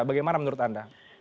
bagaimana menurut anda